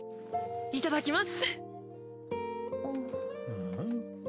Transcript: いただきます！